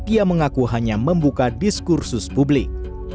jokowi juga mengatakan bahwa peran jadinya tidak berguna dengan diskursus publik